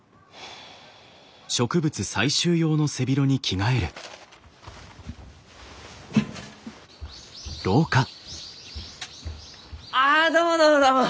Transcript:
ああどうもどうもどうも！